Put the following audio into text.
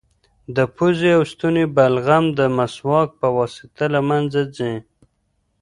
د پوزې او ستوني بلغم د مسواک په واسطه له منځه ځي.